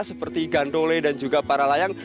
seperti gandole dan juga para layang